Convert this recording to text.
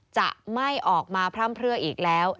จะไม่ออกมาพร่ำเพลืออีกแล้ว